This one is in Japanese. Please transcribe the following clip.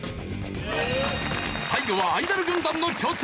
最後はアイドル軍団の挑戦。